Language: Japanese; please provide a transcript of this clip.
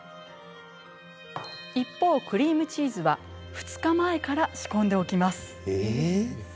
一方、クリームチーズは２日前から仕込んでおきます。